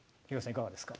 いかがですか。